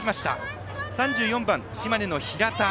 ３４番、島根の平田。